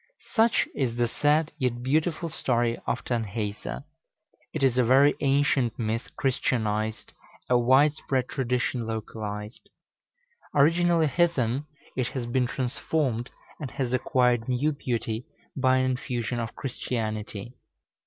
Such is the sad yet beautiful story of Tanhäuser. It is a very ancient myth Christianized, a wide spread tradition localized. Originally heathen, it has been transformed, and has acquired new beauty by an infusion of Christianity.